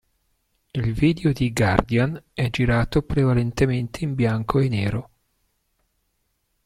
Il video di "Guardian" è girato prevalentemente in bianco e nero.